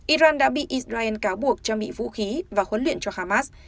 iran đã bị israel cáo buộc trang bị vũ khí và huấn luyện cho hamas